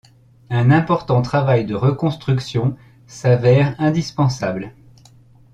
Un important travail de reconstruction s'avère indispensable.